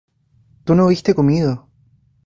tú no hubiste comido